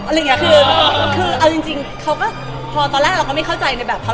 อะไรอย่างเงี้ยคือคือเอาจริงจริงเขาก็พอตอนแรกเราก็ไม่เข้าใจในแบบเขา